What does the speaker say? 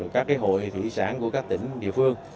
các hội thủy sản của các tỉnh địa phương